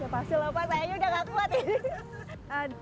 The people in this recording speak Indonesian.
ya pasti lho pak sayangnya udah gak kuat ini